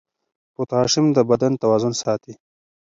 پوټاشیم د بدن توازن ساتي.